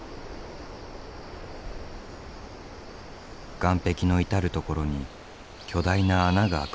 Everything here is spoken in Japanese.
岩壁の至る所に巨大な穴が口を開けている。